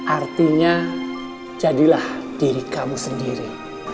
artinya jadilah diri kamu sendiri